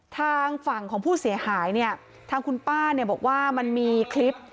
ทางฝั่งของผู้เสียหายเนี่ยทางคุณป้าเนี่ยบอกว่ามันมีคลิป